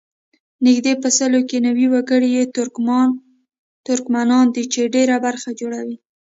نږدې په سلو کې نوي وګړي یې ترکمنان دي چې ډېره برخه جوړوي.